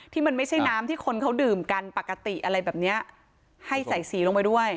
ที่มันไม่ใช่น้ำที่คนเขาดื่มกันปกติอะไรแบบเนี้ยให้ใส่สีลงไปด้วย